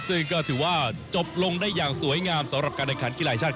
ซึ่งก็ถือว่าจบลงได้อย่างสวยงามสำหรับการแข่งขันกีฬาแห่งชาติ